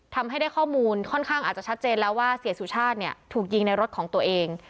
ทำให้ได้ข้อมูลค่อนข้างอาจจะชัดเจนแล้วว่าเสียสุชาติเนี่ยถูกยิงในรถของตัวเอง